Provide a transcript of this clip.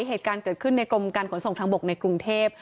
เหตุการณ์เกิดขึ้นในกรมการขนส่งทางบกในกรุงเทพ